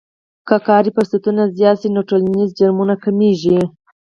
که کاري فرصتونه زیات شي نو ټولنیز جرمونه کمیږي.